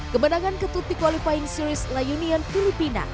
kemenangan ketut di qualifying series la union filipina